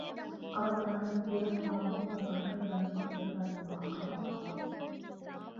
فَأَرَدْنَا أَنْ يُبْدِلَهُمَا رَبُّهُمَا خَيْرًا مِنْهُ زَكَاةً وَأَقْرَبَ رُحْمًا